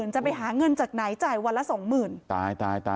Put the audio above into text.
จะไปหาเงินจากไหนจ่ายวันละ๒๐๐๐๐๐บาท